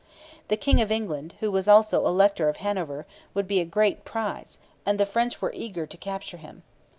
The King of England, who was also Elector of Hanover, would be a great prize, and the French were eager to capture him.